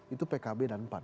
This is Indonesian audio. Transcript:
itu pkb dan pan